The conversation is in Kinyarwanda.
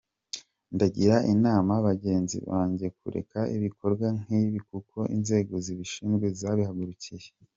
Ndagira inama bagenzi banjye kureka ibikorwa nk’ibi kuko inzego zibishinzwe zabihagurukiye.